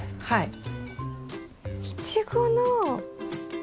はい。